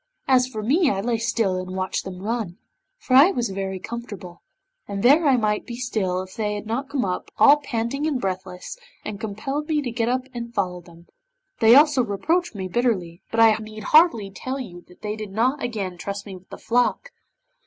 As for me I lay still and watched them run, for I was very comfortable, and there I might be still if they had not come up, all panting and breathless, and compelled me to get up and follow them; they also reproached me bitterly, but I need hardly tell you that they did not again entrust me with the flock.